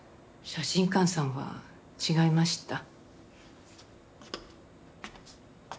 写真館さんは違いました。